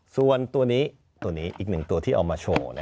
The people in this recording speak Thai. ส่วนตัวนี้ตัวนี้อีกหนึ่งตัวที่เอามาโชว์